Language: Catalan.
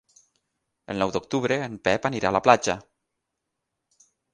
El nou d'octubre en Pep anirà a la platja.